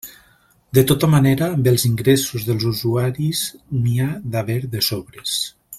De tota manera, amb els ingressos dels usuaris n'hi ha d'haver de sobres.